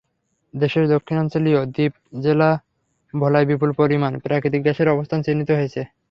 দেশের দক্ষিণাঞ্চলীয় দ্বীপ জেলা ভোলায় বিপুল পরিমাণ প্রাকৃতিক গ্যাসের অবস্থান চিহ্নিত হয়েছে।